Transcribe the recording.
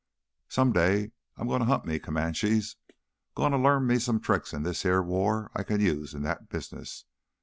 Someday I'm gonna hunt me Comanches. Gonna learn me some tricks in this heah war I can use in that business!"